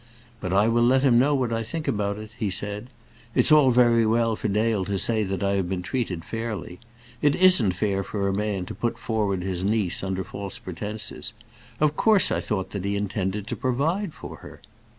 "But I will let him know what I think about it," he said. "It's all very well for Dale to say that I have been treated fairly. It isn't fair for a man to put forward his niece under false pretences. Of course I thought that he intended to provide for her."